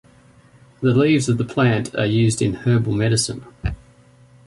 The leaves of the plant are used in herbal medicine.